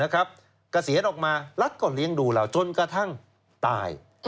เกษียณออกมารัฐก็เลี้ยงดูเราจนกระทั่งตาย